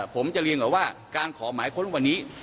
ผมจะเรียนก่อนว่าการขอหมายค้นวันนี้